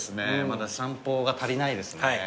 まだ散歩が足りないですね。